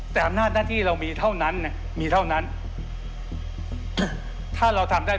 แต่อำนาจหน้าที่เรามีเท่านั้นมีเท่านั้นถ้าเราทำได้